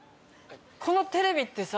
このテレビってさ。